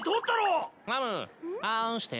ラムあんして。